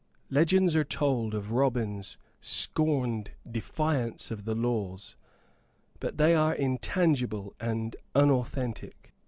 Legends are told of Robin's scorned defiance of the laws, but they are intangible and unauthentic.